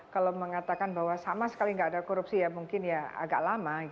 kalau mengatakan bahwa sama sekali tidak ada korupsi ya mungkin ya agak lama